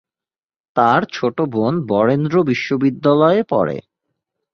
তার ছোট বোন বরেন্দ্র বিশ্ববিদ্যালয়ে পড়ে।